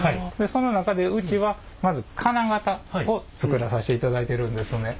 その中でうちはまず金型を作らさしていただいてるんですね。